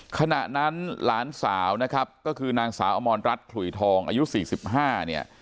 ขณะนั้นหลานสาวนะครับก็คือนางสาวอมรรัฐขลุยทองอายุ๔๕เนี่ย